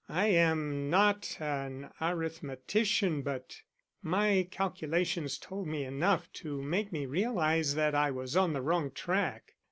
I am not an arithmetician, but my calculations told me enough to make me realize that I was on the wrong track.